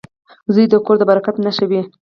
• زوی د کور د برکت نښه وي.